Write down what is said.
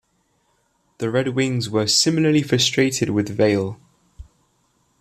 The Red Wings were similarly frustrated with Vail.